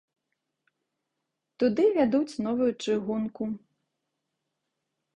Туды вядуць новую чыгунку.